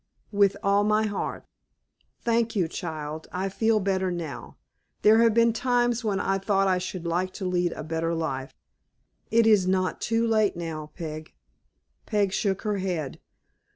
"With all my heart." "Thank you, child. I feel better now. There have been times when I thought I should like to lead a better life." "It is not too late now, Peg." Peg shook her head.